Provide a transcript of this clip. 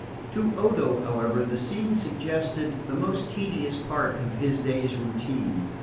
To Odo, however, the scene suggested the most tedious part of his day's routine.